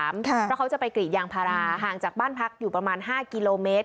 เพราะเขาจะไปกรีดยางพาราห่างจากบ้านพักอยู่ประมาณ๕กิโลเมตร